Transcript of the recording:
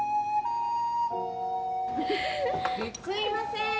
・すいません。